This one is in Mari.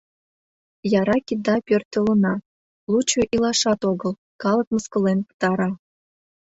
Яра кида пӧртылына — лучо илашат огыл — калык мыскылен пытара.